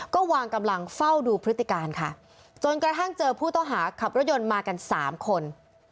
ก็วางกำลังเฝ้าดูพฤติการค่ะจนกระทั่งเจอผู้ต้องหาขับรถยนต์มากันสามคน